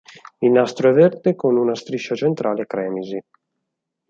Il nastro è verde con una striscia centrale cremisi.